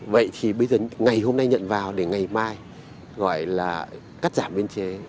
vậy thì bây giờ ngày hôm nay nhận vào để ngày mai gọi là cắt giảm biên chế